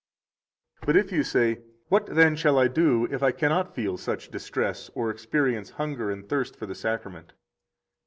75 But if you say: What, then, shall I do if I cannot feel such distress or experience hunger and thirst for the Sacrament?